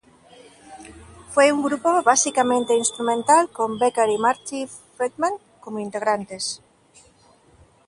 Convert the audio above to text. Fue un grupo básicamente instrumental con Becker y Marty Friedman como integrantes.